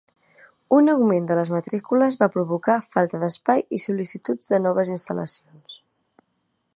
Un augment de les matrícules va provocar falta d'espai i sol·licituds de noves instal·lacions.